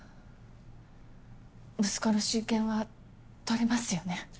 息子の親権は取れますよね？